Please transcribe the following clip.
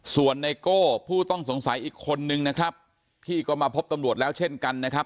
ส่วนไนโก้ผู้ต้องสงสัยอีกคนนึงนะครับที่ก็มาพบตำรวจแล้วเช่นกันนะครับ